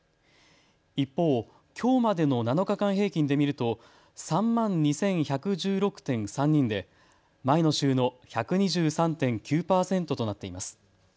一方、きょうまでの７日間平均で見ると３万２１１６．３人で前の週の１２３．９％となっています。